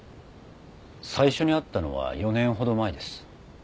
最初に会ったのは４年ほど前です。